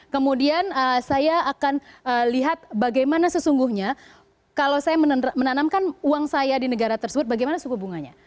kemudian saya akan lihat bagaimana sesungguhnya kalau saya menanamkan uang saya di negara tersebut bagaimana suku bunganya